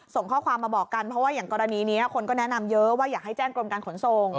ส่งข้อความมาบอกกันเพราะว่าอย่างกรณีนี้คนก็แนะนำเยอะว่าอยากให้แจ้งกรมการขนส่ง